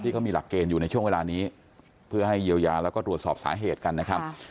เขามีหลักเกณฑ์อยู่ในช่วงเวลานี้เพื่อให้เยียวยาแล้วก็ตรวจสอบสาเหตุกันนะครับ